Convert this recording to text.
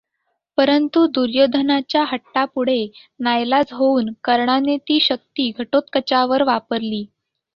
परंतु दुर्योधनाच्या हट्टापुढे नाइलाज होऊन कर्णाने ती शक्ती घटोत्कचावर वापरली.